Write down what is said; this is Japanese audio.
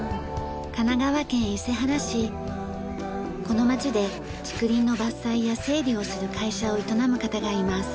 この町で竹林の伐採や整理をする会社を営む方がいます。